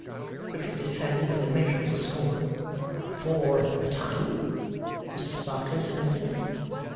repeated Fanny, with immeasurable scorn. 'For a time,' Mr Sparkler submitted.